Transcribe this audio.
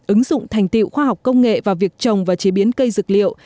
ứng dụng thành tiệu khoa học công nghệ vào việc trồng và chế biến cây dược liệu